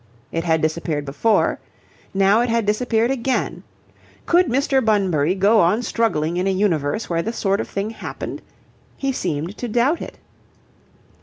It had disappeared before. Now it had disappeared again. Could Mr. Bunbury go on struggling in a universe where this sort of thing happened? He seemed to doubt it.